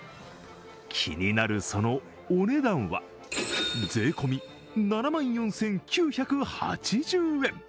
気になるそのお値段は税込み７万４９８０円。